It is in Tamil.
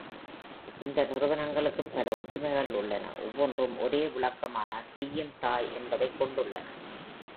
இந்த நிறுவனங்களுக்குப் பல ஒற்றுமைகள் உள்ளன, ஒவ்வொன்றும் ஒரே விளக்கமான ‘தீயின் தாய் என்பதைக் கொண்டுள்ளன.